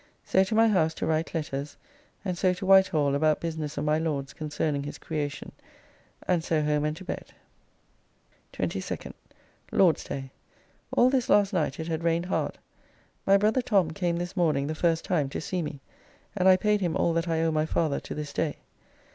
So to my house to write letters and so to Whitehall about business of my Lord's concerning his creation, [As Earl of Sandwich.] and so home and to bed. 22nd. Lord's day. All this last night it had rained hard. My brother Tom came this morning the first time to see me, and I paid him all that I owe my father to this day.